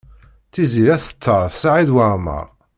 Tiziri ad tetter Saɛid Waɛmaṛ.